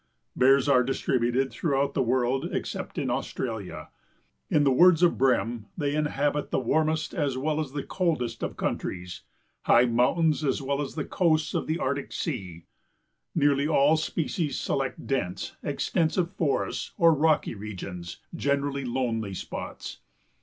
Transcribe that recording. Bears are distributed throughout the world except in Australia. In the words of Brehm, "They inhabit the warmest as well as the coldest of countries, high mountains as well as the coasts of the Arctic Sea. Nearly all species select dense, extensive forests or rocky regions, generally lonely spots.